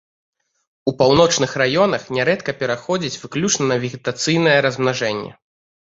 У паўночных раёнах нярэдка пераходзіць выключна на вегетацыйнае размнажэнне.